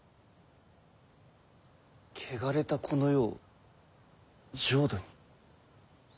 汚れたこの世を浄土に。